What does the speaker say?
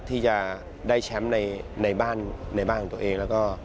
ที่จะได้แชมป์ในบ้านในบ้านตัวเอง